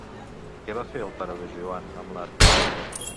Què va fer el pare de Joan amb l'arc?